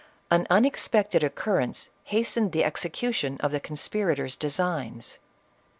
An unexpected occurrence hastened the execution of the conspirators' designs.